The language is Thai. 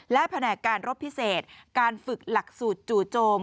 และแผนกการรบพิเศษการฝึกหลักสูตรจู่โจม